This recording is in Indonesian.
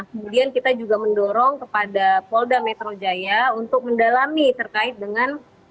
kemudian kita juga mendorong kepada polda metro jaya untuk mendalami terkait dengan